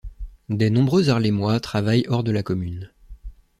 Des nombreux Haarlemois travaillent hors de la commune.